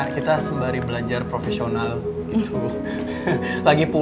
kita sembari belajar profesional gitu